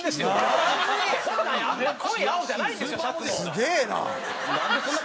「すげえな！」